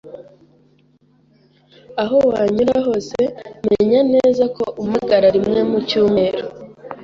Aho wanyura hose, menya neza ko umpamagara rimwe mu cyumweru.